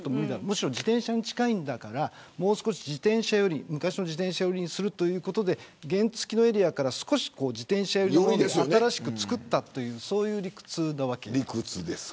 むしろ自転車に近いんだからもう少し、昔の自転車寄りにするということで原付のエリアから少し自転車寄りのものを新しくつくったという理屈です。